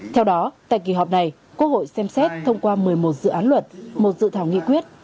theo đó tại kỳ họp này quốc hội xem xét thông qua một mươi một dự án luật một dự thảo nghị quyết